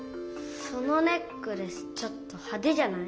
そのネックレスちょっとはでじゃない？